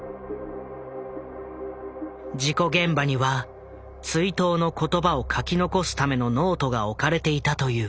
事故現場には追悼の言葉を書き残すためのノートが置かれていたという。